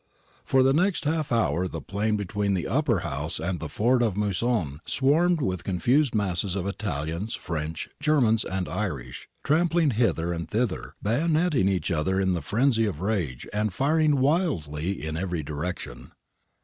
For the next half hour the plain between the Upper House and the ford of the Musone swarmed with con fused masses of Italians, French, Germans, and Irish, trampling hither and thither, bayoneting each other in the frenzy of rage and firing wildly in every direction.